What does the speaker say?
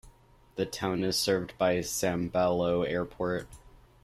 The town is served by Sambailo Airport.